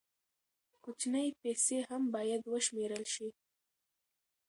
کوچنۍ پیسې هم باید وشمېرل شي.